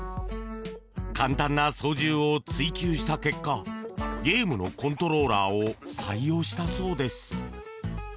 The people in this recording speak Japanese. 簡単な操縦を追求した結果ゲームのコントローラーを採用したそうです。